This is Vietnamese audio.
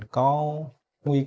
có nguy cơ